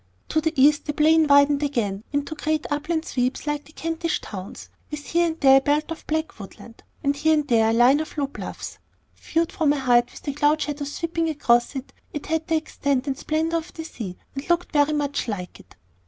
To the east the plain widened again into great upland sweeps like the Kentish Downs, with here and there a belt of black woodland, and here and there a line of low bluffs. Viewed from a height, with the cloud shadows sweeping across it, it had the extent and splendor of the sea, and looked very much like it.